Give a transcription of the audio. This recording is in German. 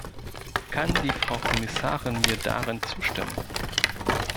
Kann die Frau Kommissarin mir darin zustimmen?